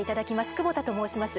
久保田と申します。